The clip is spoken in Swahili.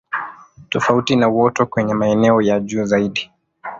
Tofauti na uoto kwenye maeneo ya juu zaidi